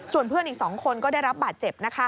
ส่วนเพื่อนอีก๒คนก็ได้รับบาดเจ็บ